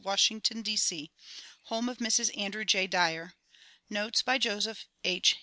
Washington, D. C. Home of Mrs. Andrew J. Dyer. Notes by Joseph H.